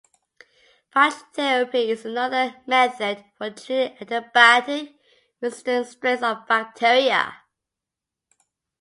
Phage therapy is another method for treating antibiotic-resistant strains of bacteria.